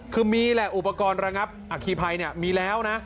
คือมีแหละอุปกรณ์ระงับอคีภัยมีแล้วนะ